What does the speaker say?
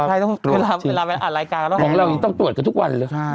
ใช่ต้องเวลาไปอ่านรายการของเรายังต้องตรวจกันทุกวันเลยค่ะ